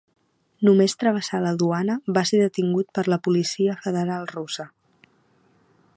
Només travessar la duana va ser detingut per la policia federal russa.